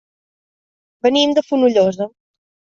Venim de Fonollosa.